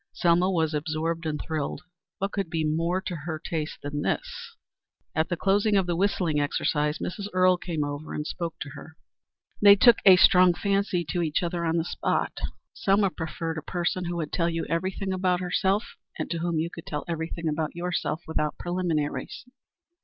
Selma was absorbed and thrilled. What could be more to her taste than this? At the close of the whistling exercise, Mrs. Earle came over and spoke to her. They took a strong fancy to each other on the spot. Selma preferred a person who would tell you everything about herself and to whom you could tell everything about yourself without preliminaries.